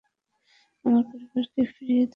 আমার পরিবারকে ফিরিয়ে দে।